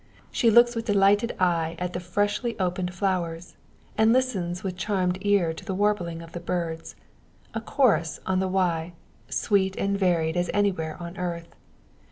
She looks with delighted eye at the freshly opened flowers, and listens with charmed ear to the warbling of the birds a chorus, on the Wye, sweet and varied as anywhere on earth.